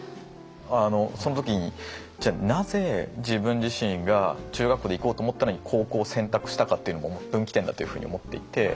その時にじゃあなぜ自分自身が中学校で行こうと思ったのに高校を選択したかっていうのも分岐点だというふうに思っていて。